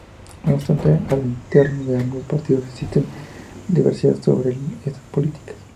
No obstante a lo interno de ambos partidos existen divergencias sobre estas políticas.